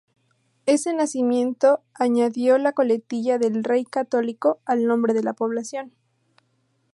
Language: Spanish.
Ese nacimiento añadió la coletilla de "del Rey Católico" al nombre de la población.